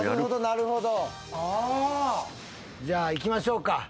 じゃあいきましょうか。